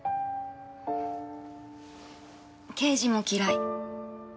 刑事も嫌い。